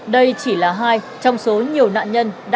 đây chỉ là hai trong số nhiều nạn nhân